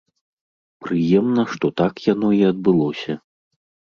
Прыемна, што так яно і адбылося.